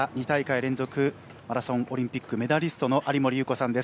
連続マラソンオリンピックメダリストの有森裕子さんです。